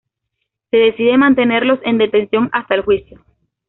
Se decide mantenerlos en detención hasta el juicio.